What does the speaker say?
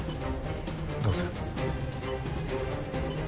どうする？